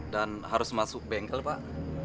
dan harus masuk bengkel pak